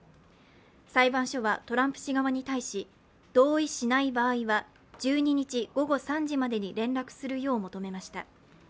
裁判所はトランプ氏側に対し、同意しない場合は１２日午後３時までに連絡するよう求めました。